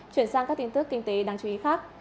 chuyển sang các tin tức kinh tế đáng chú ý khác